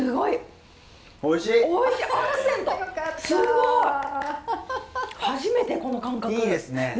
いいですね。